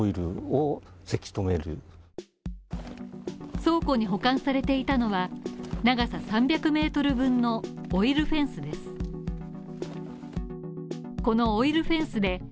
倉庫に保管されていたのは長さ３００ｍ分のオイルフェンスです。